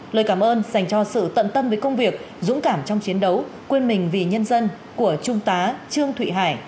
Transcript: lời cảm ơn dành cho sự tận tâm với công việc dũng cảm trong chiến đấu quên mình vì nhân dân của trung tá trương thụy hải